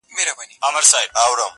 په تن خرقه په لاس کي دي تسبې لرې که نه,